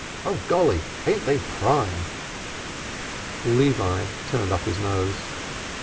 Oh, golly, ain't they prime!'" Levi turned up his nose.